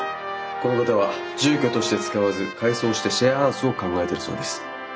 この方は住居として使わず改装してシェアハウスを考えているそうです。